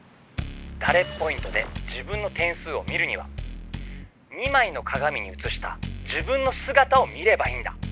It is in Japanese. ダレッポイントで自分の点数を見るには２まいのかがみにうつした自分のすがたを見ればいいんだ。